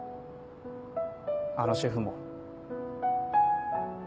あのシェフも。